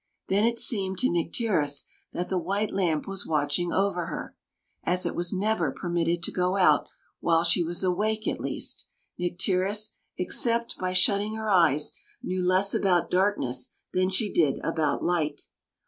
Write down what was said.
Then it seemed to Nycteris that the white lamp was watching over her. As it was never permitted to go out while she was awake at least Nycteris, except by shutting her eyes, knew less about darkness than she did about light.